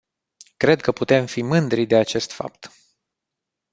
Cred că putem fi mândri de acest fapt.